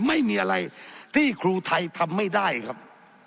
ไม่มีอะไรที่ครูไทยทำไม่ได้ครับ